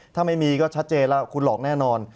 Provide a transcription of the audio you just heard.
ถ้าไม่มีก็ชัดเจนแล้วคุณหลอกแน่นอน